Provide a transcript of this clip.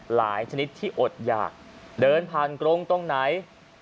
ชนิดที่อดอยากเดินผ่านกรงตรงไหน